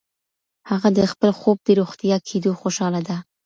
هغه د خپل خوب د رښتیا کېدو خوشاله ده.